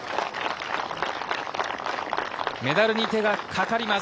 メダルに手がかかります。